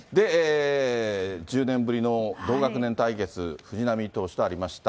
１０年ぶりの同学年対決、藤浪投手とありました。